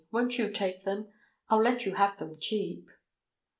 Won't you take them? I'll let you have them cheap."